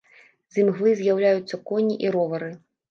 З імглы з'яўляюцца коні і ровары.